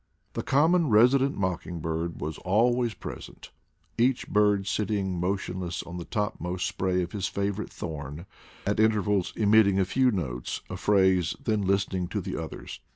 The common resident mocking bird was always present, each bird sitting motionless on the topmost spray of his favorite thorn, at intervals emitting a few notes, a phrase, then listening to the others.